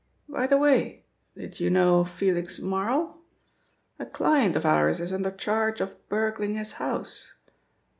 "By the way, did you know Felix Marl? A client of ours is under charge of burgling his house.